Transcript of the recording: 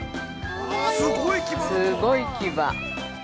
すごい牙。